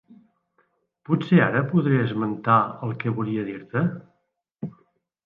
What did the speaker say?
Potser ara podré esmentar el que volia dir-te?